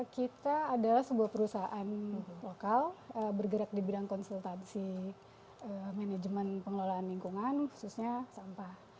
kita adalah sebuah perusahaan lokal bergerak di bidang konsultasi manajemen pengelolaan lingkungan khususnya sampah